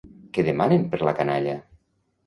Què demanen per la canalla?